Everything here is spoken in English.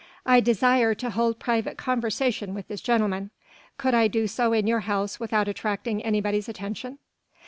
I desire to hold private conversation with this gentleman. Could I do so in your house without attracting anybody's attention?"